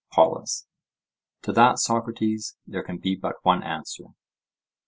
POLUS: To that, Socrates, there can be but one answer.